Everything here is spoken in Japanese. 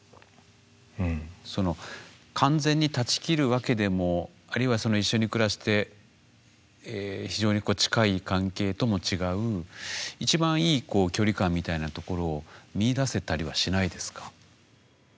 その完全に断ち切るわけでもあるいは一緒に暮らして非常に近い関係とも違う一番いい距離感みたいなところを見いだせたりはしないですか？